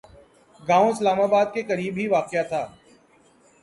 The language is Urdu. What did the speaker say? گاؤں اسلام آباد کے قریب ہی واقع تھا